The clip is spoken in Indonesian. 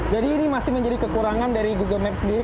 jadi ini masih menjadi kekurangan dari google maps sendiri